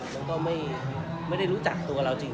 แล้วก็ไม่ได้รู้จักตัวเราจริง